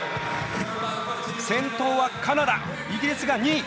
先頭はカナダイギリスが２位。